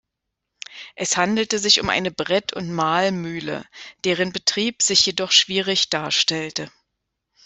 Es handelte sich um eine Brett- und Mahlmühle, deren Betrieb sich jedoch schwierig darstellte.